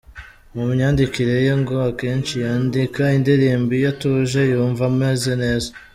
Mu myandikire ye ngo akenshi yandika indirimbo iyo atuje yumva ameze neza.